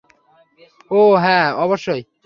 ওহ হ্যাঁ, অবশ্যই।